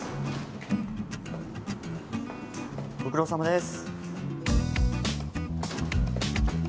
ご苦労さまです